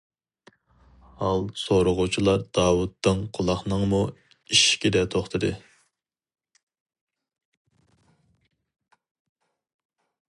ھال سورىغۇچىلار داۋۇت دىڭ قۇلاقنىڭمۇ ئىشىكىدە توختىدى.